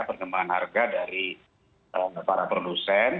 perkembangan harga dari para produsen